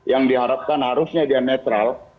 yang diharapkan harusnya dia netral